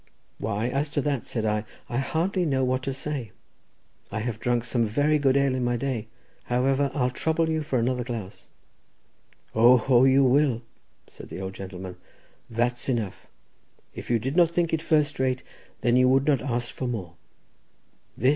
"Why, as to that," said I, "I hardly know what to say; I have drunk some very good ale in my day. However, I'll trouble you for another glass." "O ho, you will," said the old gentleman; "that's enough; if you did not think it first rate you would not ask for more.